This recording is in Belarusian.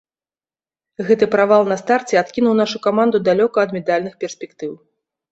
Гэты правал на старце адкінуў нашу каманду далёка ад медальных перспектыў.